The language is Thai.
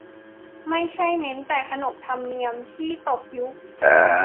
ไม่ใช่เน้นแต่ขนบธรรมเนียม ที่ตกยุค